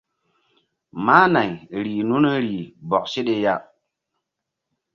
Mah nay rih nun rih bɔk seɗe ya.